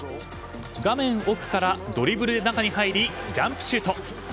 画面奥からドリブルで中に入りジャンプシュート。